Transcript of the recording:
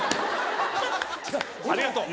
ありがとう。